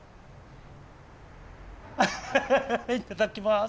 いただきます。